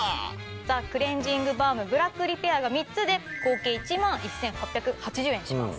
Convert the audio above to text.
ザクレンジングバームブラックリペアが３つで合計１万１８８０円します。